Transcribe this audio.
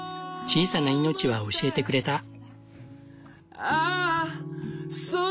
小さな命は教えてくれた。